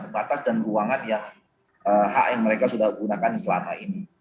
batas dan ruangan yang hak yang mereka sudah gunakan selama ini